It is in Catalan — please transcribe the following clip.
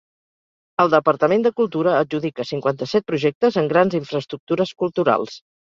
"El Departament de Cultura adjudica cinquanta-set projectes en grans infraestructures culturals"